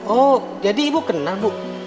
oh jadi ibu kena bu